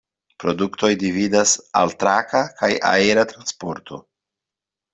Produktoj dividas al traka kaj aera transporto.